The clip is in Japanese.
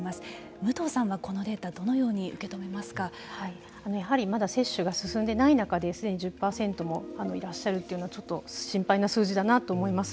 武藤さんは、このデータやはりまだ接種が進んでない中ですでに１０％もいらっしゃるというのはちょっと心配な数字だなと思います。